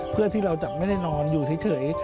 เพื่อที่เราจะไม่ได้นอนอยู่เฉย